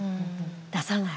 出さない。